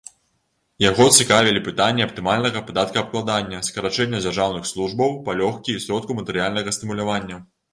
Яго цікавілі пытанні аптымальнага падаткаабкладання, скарачэння дзяржаўных службаў, палёгкі і сродку матэрыяльнага стымулявання.